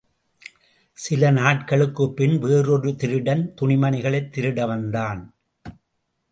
சில நாட்களுக்குப் பின், வேறொரு திருடன் துணிமணிகளைத் திருட வந்தான்.